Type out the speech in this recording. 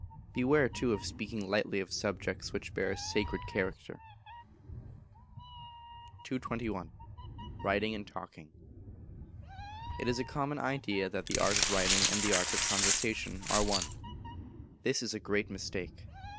Beware, too, of speaking lightly of subjects which bear a sacred character. 221. Writing and Talking. It is a Common Idea that the art of writing and the art of conversation are one; this is a great mistake.